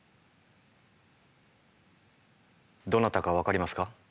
どなたか分かりますか？